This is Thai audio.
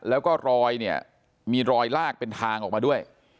แล้วก็มีรอยลากเป็นทางออกมาด้วย